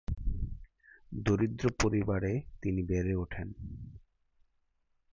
দরিদ্র পরিবারে তিনি বেড়ে ওঠেন।